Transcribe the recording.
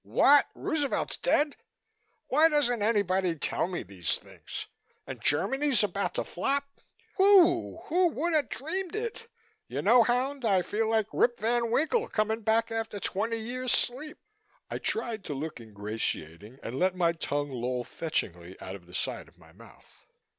What? Roosevelt's dead? Why doesn't anybody tell me these things? And Germany's about to flop? Whew! Who would have dreamed it? You know, hound, I feel like Rip Van Winkle coming back after twenty years sleep." I tried to look ingratiating and let my tongue loll fetchingly out of the side of my mouth.